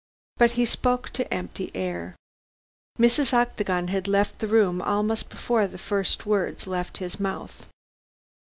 But he spoke to empty air. Mrs. Octagon had left the room, almost before the first words left his mouth.